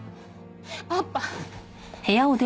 パパ。